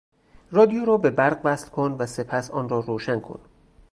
رادیو را به برق وصل کن و سپس آن را روشن کن.